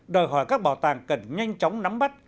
đòi hỏi các bảo tàng cần nhanh chóng nắm bắt